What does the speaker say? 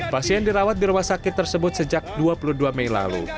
pasien dirawat di rumah sakit tersebut sejak dua puluh dua mei lalu